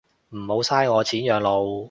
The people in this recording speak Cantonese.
唔好嘥我錢養老